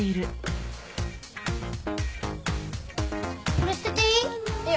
これ捨てていい？